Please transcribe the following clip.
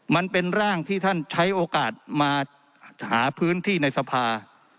มันเป็นร่างที่ท่านใช้โอกาสมาหาพื้นที่ในสภา